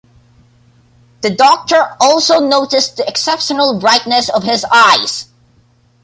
The doctor also noticed the exceptional brightness of his eyes.